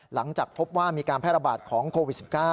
หลังจากพบว่ามีการแพร่ระบาดของโควิด๑๙